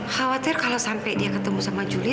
khawatir kalau sampai dia ketemu sama juli